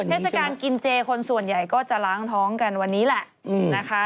เทศกาลกินเจคนส่วนใหญ่ก็จะล้างท้องกันวันนี้แหละนะคะ